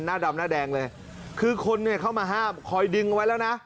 หน้าดำหน้าแดงเลยคือคนเนี่ยเข้ามาห้ามคอยดึงเอาไว้แล้วนะ